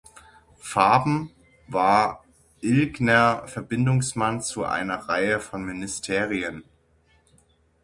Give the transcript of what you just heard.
Farben war Ilgner Verbindungsmann zu einer Reihe von Ministerien.